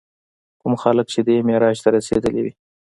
کوم خلک چې دې معراج ته رسېدلي وي.